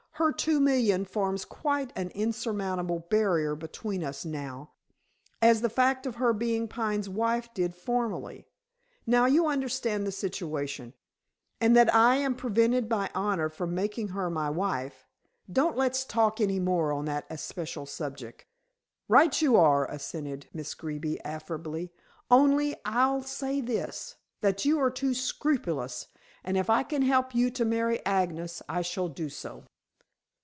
Her two million forms quite an insurmountable barrier between us now, as the fact of her being Pine's wife did formerly. Now you understand the situation, and that I am prevented by honor from making her my wife, don't let us talk any more on that especial subject." "Right you are," assented Miss Greeby affably. "Only I'll say this, that you are too scrupulous, and if I can help you to marry Agnes I shall do so."